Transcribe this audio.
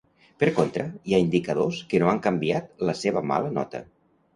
Per contra, hi ha indicadors que no han canviat la seva mala nota.